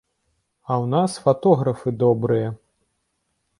А ў нас фатографы добрыя.